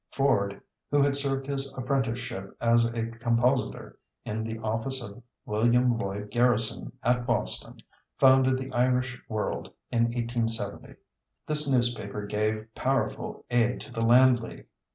Ford, who had served his apprenticeship as a compositor in the office of William Lloyd Garrison at Boston, founded the Irish World in 1870. This newspaper gave powerful aid to the Land League.